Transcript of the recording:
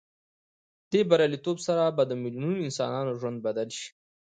دې بریالیتوب سره به د میلیونونو انسانانو ژوند بدل شي.